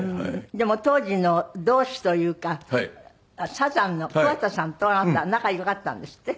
でも当時の同志というかサザンの桑田さんとあなたは仲良かったんですって？